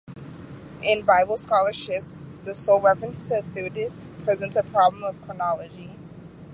In Bible scholarship, the sole reference to Theudas presents a problem of chronology.